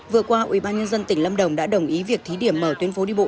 vừa qua ubnd tỉnh lâm đồng đã đồng ý việc thí điểm mở tuyến phố đi bộ